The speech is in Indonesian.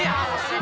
iya gak usah iskep